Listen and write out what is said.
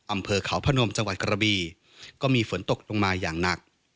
อำเภอเขาพนมจังหวัดกระบีก็มีฝนตกลงมาอย่างหนัก